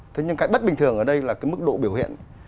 thế nhưng cái bất bình thường ở đây là cái mức độ biểu hiện